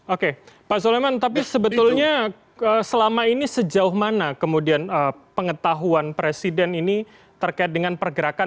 oke pak soleman tapi sebetulnya selama ini sejauh mana kemudian pengetahuan presiden ini terkait dengan pergerakan